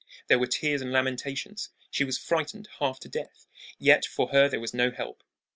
There were tears and lamentations. She was frightened half to death; yet for her there was no help.